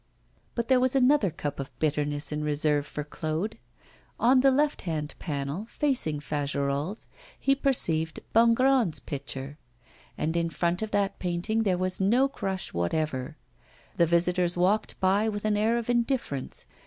But there was another cup of bitterness in reserve for Claude. On the left hand panel, facing Fagerolles', he perceived Bongrand's picture. And in front of that painting there was no crush whatever; the visitors walked by with an air of indifference.